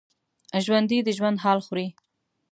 ژوندي د ژوند حال خوري